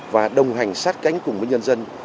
và đồng hành sát cánh cùng với nhân dân